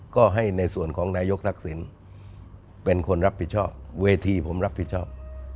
ก็ให้ในส่วนของนายกทักษิณเป็นคนรับผิดชอบเวทีผมรับผิดชอบ